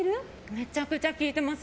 めちゃくちゃ利いてます。